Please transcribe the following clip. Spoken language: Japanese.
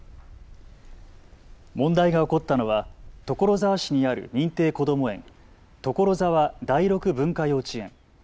問題が起こったのは所沢市にある認定こども園、所沢第六文化幼稚園。